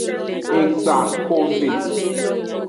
Egban hove.